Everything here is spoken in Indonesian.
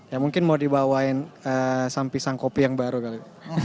ya mungkin mau dibawain sampisang kopi yang baru kali